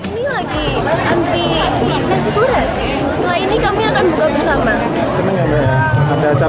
di antri nasi boran setelah ini kami akan buka bersama